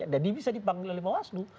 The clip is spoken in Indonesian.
jadi bisa dipanggil oleh bawaslu